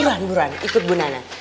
buruan buruan ikut bu nana